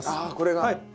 あこれが。